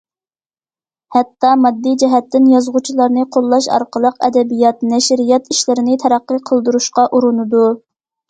ھەتتا، ماددىي جەھەتتىن يازغۇچىلارنى قوللاش ئارقىلىق ئەدەبىيات، نەشرىيات ئىشلىرىنى تەرەققىي قىلدۇرۇشقا ئۇرۇنىدۇ.